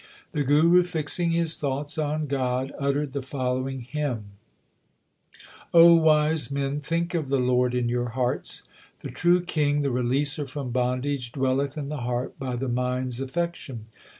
The Guru fixing his thoughts on God uttered the following hymn : O wise men, think of the Lord in your hearts. The true King, the Releaser from bondage, dwelleth in the heart by the mind s affection.